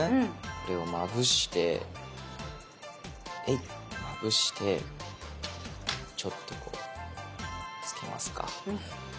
これをまぶしてまぶしてちょっとこうつけますか。